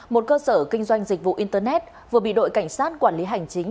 một cơ sở kinh doanh dịch vụ internet vừa bị đội cảnh sát quản lý hành chính